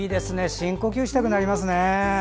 深呼吸したくなりますね。